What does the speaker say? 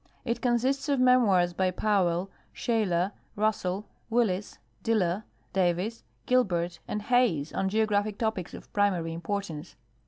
It consists of memoirs by Powell, Shaler, Russell, Willis, Diller, Davis, Gilbert, and Hayes on geographic topics of primary importance.